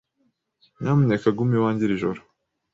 Nyamuneka guma iwanjye iri joro.